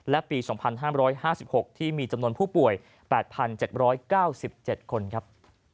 และปี๒๕๕๖ที่มีจำนวนผู้ป่วย๘๗๙๗คนครับ